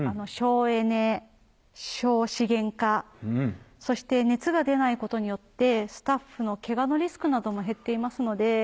省エネ省資源化そして熱が出ないことによってスタッフのケガのリスクなども減っていますので。